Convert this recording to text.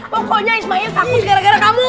pokoknya ismail takut gara gara kamu